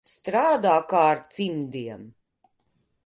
Strādā kā ar cimdiem.